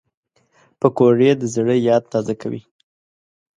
پکورې د زړه یاد تازه کوي